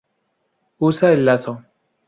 Usa el lazo.